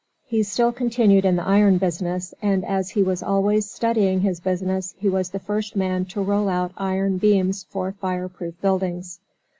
He still continued in the iron business, and as he was always studying his business, he was the first man to roll out iron beams for fire proof buildings.